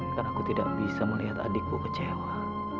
karena aku tidak bisa melihat adikku kecewa